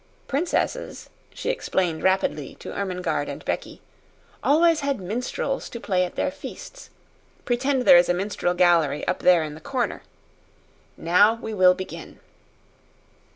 Princesses," she explained rapidly to Ermengarde and Becky, "always had minstrels to play at their feasts. Pretend there is a minstrel gallery up there in the corner. Now we will begin."